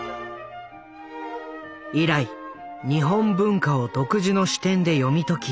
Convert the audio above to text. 以来日本文化を独自の視点で読み解き幅広く紹介。